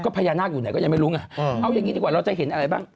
พญานาคอยู่ไหนก็ยังไม่รู้ไงเอาอย่างนี้ดีกว่าเราจะเห็นอะไรบ้าง